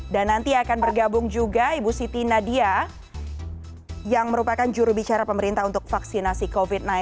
dan nanti akan bergabung juga ibu siti nadia yang merupakan juru bicara pemerintah untuk vaksinasi covid sembilan belas